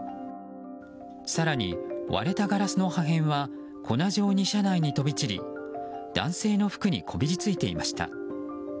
更に割れたガラスの破片は粉状に車内に飛び散り男性の服にこびりついていました。